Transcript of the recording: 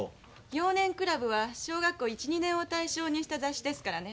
「幼年クラブ」は小学校１２年を対象にした雑誌ですからね。